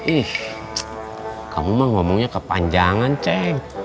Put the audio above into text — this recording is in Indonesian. ih kamu mah ngomongnya kepanjangan cek